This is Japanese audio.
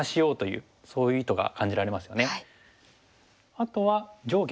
あとは上下。